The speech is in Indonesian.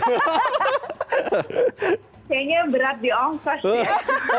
kayaknya berat diongkos ya